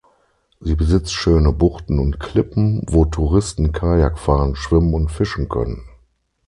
Sie besitzt schöne Buchten und Klippen, wo Touristen Kajak fahren, schwimmen und fischen können.